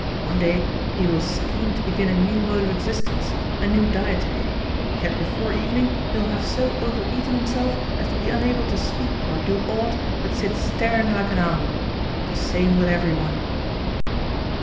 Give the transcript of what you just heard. One day he will scheme to begin a new mode of existence, a new dietary; yet before evening he will have so over eaten himself as to be unable to speak or do aught but sit staring like an owl. The same with every one."